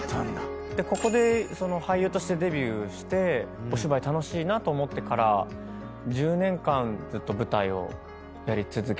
ここで俳優としてデビューしてお芝居楽しいなと思ってから１０年間ずっと舞台をやり続けて。